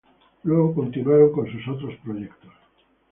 Luego continuaron con sus otros proyectos.